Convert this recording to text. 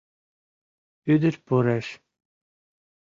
Ӱдыр пуреш.